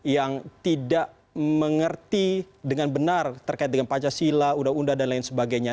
yang tidak mengerti dengan benar terkait dengan pancasila undang undang dan lain sebagainya